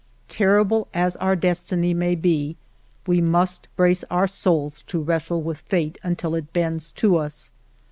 Terrible as our des tiny may be, we must brace our souls to wrestle with fate until it bends to us.